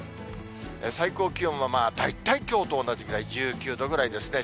最高気温は大体きょうと同じぐらい、１９度ぐらいですね。